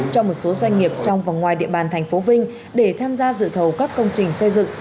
cho một số doanh nghiệp trong và ngoài địa bàn thành phố vinh để tham gia dự thầu các công trình xây dựng